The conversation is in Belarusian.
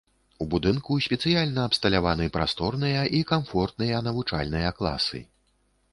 У будынку спецыяльна абсталяваны прасторныя і камфортныя навучальныя класы.